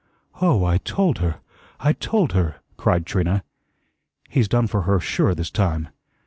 "Oh, I told her I TOLD her," cried Trina. "He's done for her SURE this time."